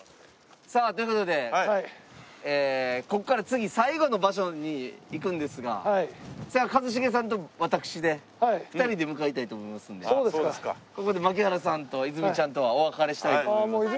さあという事でここから次最後の場所に行くんですが一茂さんと私で２人で向かいたいと思いますんでここで槙原さんと泉ちゃんとはお別れしたいと思います。